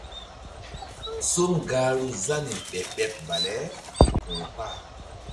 Som gahru Zani ɓeɓ ɓeɓ bale ke ku̧ kpah.